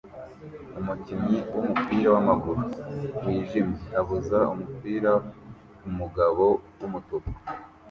Umukinnyi wumupira wamaguru wijimye abuza umupira kumugabo wumutuku